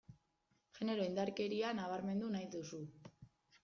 Genero indarkeria nabarmendu nahi duzu.